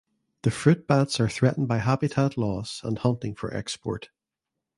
The fruit bats are threatened by habitat loss and hunting for export.